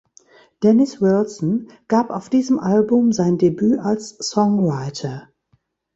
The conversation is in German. Dennis Wilson gab auf diesem Album sein Debüt als Songwriter.